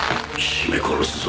絞め殺すぞ。